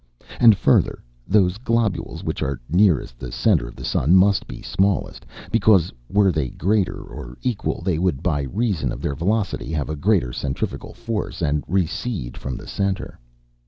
And, further: those globules which are nearest the centre of the sun, must be smallest; because, were they greater, or equal, they would, by reason of their velocity, have a greater centrifugal force, and recede from the centre.